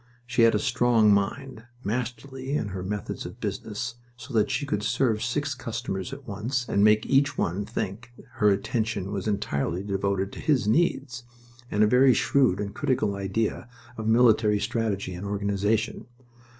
She had a strong mind masterly in her methods of business so that she could serve six customers at once and make each one think that her attention was entirely devoted to his needs and a very shrewd and critical idea of military strategy and organization.